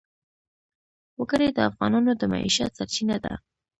وګړي د افغانانو د معیشت سرچینه ده.